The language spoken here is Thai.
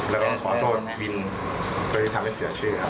แล้วก็ขอโทษวินต์เกบยฐกไปเสียชื่อครับ